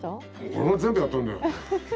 俺が全部やったんだよ！